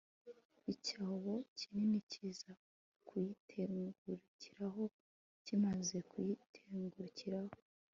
icyobo kinini kiza kuyitengukiraho, kimaze kuyitengukiraho